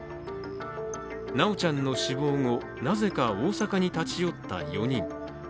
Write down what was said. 修ちゃんの死亡後、なぜか大阪に立ち寄った４人。